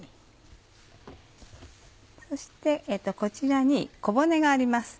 そしてこちらに小骨があります。